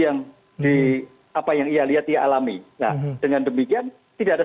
yang di apa yang ia lihat ia alami nah dengan demikian tidak ada